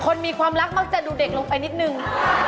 คนมีความรักมักจะดูเด็กลงไปนิดนึง